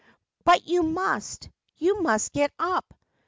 * But you must — you must get up